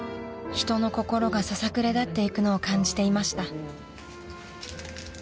［人の心がささくれだっていくのを感じていました］